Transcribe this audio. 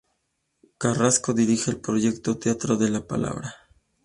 Carrasco dirige el proyecto Teatro de la Palabra.